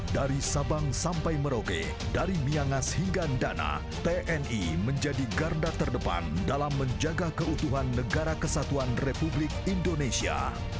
dari sabang sampai merauke dari miangas hingga ndana tni menjadi garda terdepan dalam menjaga keutuhan negara kesatuan republik indonesia